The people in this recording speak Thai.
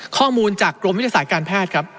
ข้อมูลจากกรมวิทยาศาสตร์การแพทย์ครับ